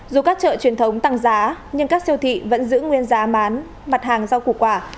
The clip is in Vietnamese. dù các chợ truyền thống tăng giá nhưng các siêu thị vẫn giữ nguyên giá bán mặt hàng rau củ quả